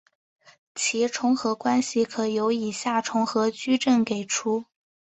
其重合关系可由以下重合矩阵给出。